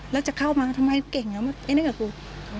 แล้วจะเข้ามาทำไมเก่งแล้วไอ้นั่นกับกู